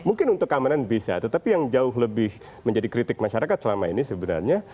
mungkin untuk keamanan bisa tetapi yang jauh lebih menjadi kritik masyarakat selama ini sebenarnya